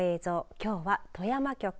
きょうは富山局。